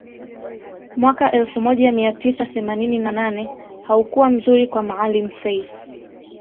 Mwaka elfu moja mia tisa themanini na nane haukuwa mzuri kwa Maalim Seif